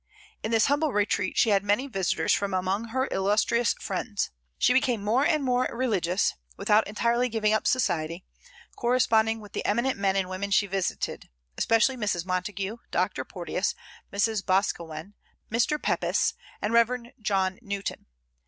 In this humble retreat she had many visitors from among her illustrious friends. She became more and more religious, without entirely giving up society; corresponding with the eminent men and women she visited, especially Mrs. Montagu, Dr. Porteus, Mrs. Boscawen, Mr. Pepys, and Rev. John Newton.